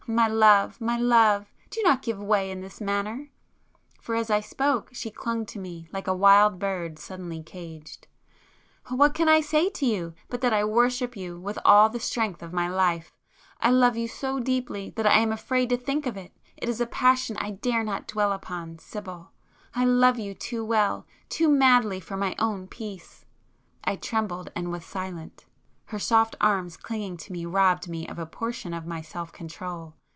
My love, my love—do not give way in this manner"—for as I spoke she clung to me like a wild bird suddenly caged—"What can I say to you, but that I worship you with all the strength of my life,—I love you so deeply that I am afraid to think of it; it is a passion I dare not dwell upon, Sibyl,—I love you too well,—too madly for my own peace——" I trembled, and was silent,—her soft arms clinging to me [p 200] robbed me of a portion of my self control.